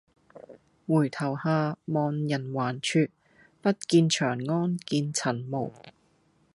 回頭下望人寰處，不見長安見塵霧。